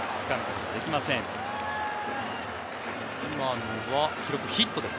今のは記録、ヒットです。